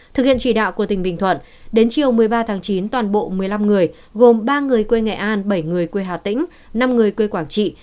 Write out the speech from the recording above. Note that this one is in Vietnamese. thực hiện chỉ đạo của tỉnh bình thuận đến chiều một mươi ba tháng chín toàn bộ một mươi năm người gồm ba người quê nghệ an bảy người quê hà tĩnh năm người quê quảng trị